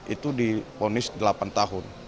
itu diponis delapan tahun